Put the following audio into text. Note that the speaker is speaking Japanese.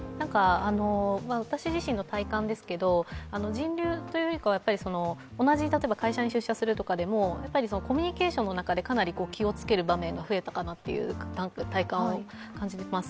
私自身の体感ですけど、人流というよりは同じ会社に出社するとかでもコミュニケーションをする中でかなり気をつける場面が増えたかなという体感を感じています。